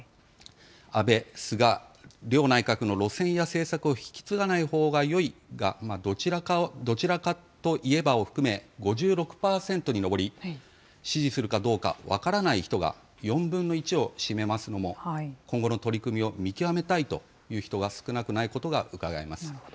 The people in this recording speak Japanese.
安倍、菅両内閣の路線や政策を引き継がないほうがよいが、どちらかといえばを含め５６％に上り、支持するかどうか、分からない人が４分の１を占めますのも、今後の取り組みを見極めたいという人が少なくないことがうかがえます。